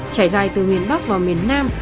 trải dài từ miền bắc vào miền nam